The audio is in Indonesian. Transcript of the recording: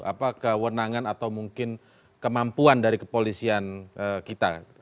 apa kewenangan atau mungkin kemampuan dari kepolisian kita